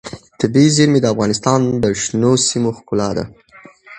طبیعي زیرمې د افغانستان د شنو سیمو ښکلا ده.